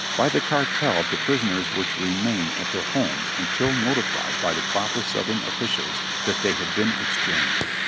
By the cartel the pris oners were to remain at their homes until notified by the proper Southern officials that they had been exchanged.